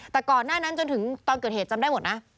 แต่ก่อนหน้านั้นจนถึงตอนเกิดเหตุจำได้หมดนะ